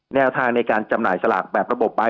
แนวทางในการจำหน่ายสลากแบบระบบใบ